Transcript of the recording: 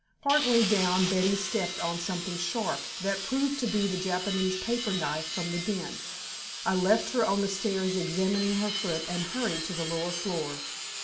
Part way down Betty stepped on something sharp, that proved to be the Japanese paper knife from the den. I left her on the stairs examining her foot and hurried to the lower floor.